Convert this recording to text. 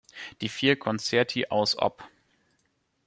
Die vier Concerti aus Op.